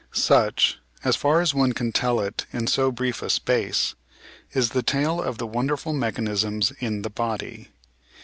Such, as far as one can tell it in so brief a space, is the tale of the wonderful mechanisms in the body.